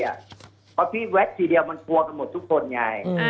เพราะพี่แวดทีเดียวมันกลัวกันหมดทุกคนไง